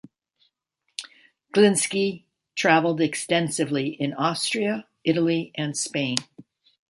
Glinski traveled extensively in Austria, Italy, and Spain.